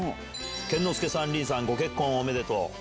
健之介さん、凛さん、ご結婚おめでとう。